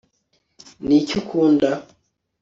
niki ukunda